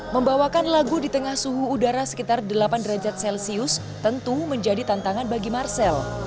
membawakan lagu di tengah suhu udara sekitar delapan derajat celcius tentu menjadi tantangan bagi marcel